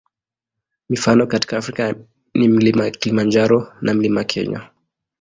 Mifano katika Afrika ni Mlima Kilimanjaro na Mlima Kenya.